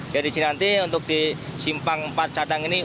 jadi di sini nanti untuk di simpang empat sadang ini